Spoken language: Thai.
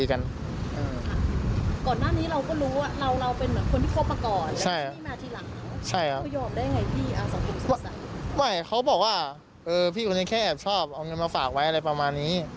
เขาบอกว่าพี่คนนี้แค่ชอบเอาเงินมาฝากไว้อะไรประมาณนี้